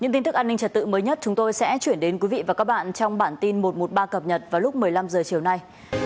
những tin tức an ninh trật tự mới nhất chúng tôi sẽ chuyển đến quý vị và các bạn trong bản tin một trăm một mươi ba cập nhật vào lúc một mươi năm h chiều nay